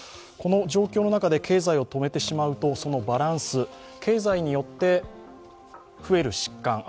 この状況の中で経済を止めてしまうとそのバランス、経済によって増える疾患